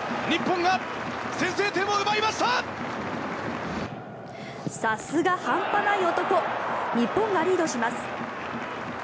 日本がリードします。